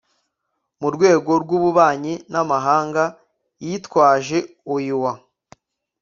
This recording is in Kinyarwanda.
mu rwego rw'ububanyi n'amahanga yitwaje oua,